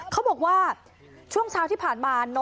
เขาบอกว่าช่วงเช้าที่ผ่านมา